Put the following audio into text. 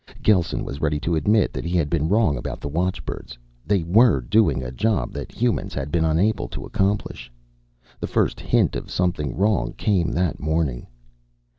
Gelsen was ready to admit that he had been wrong about the watchbirds. They were doing a job that humans had been unable to accomplish. The first hint of something wrong came that morning.